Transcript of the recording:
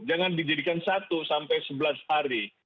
jangan dijadikan satu sampai sebelas hari